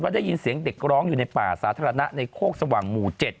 ได้ยินเสียงเด็กร้องอยู่ในป่าสาธารณะในโคกสว่างหมู่๗